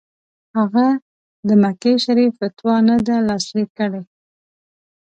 هغه د مکې شریف فتوا نه ده لاسلیک کړې.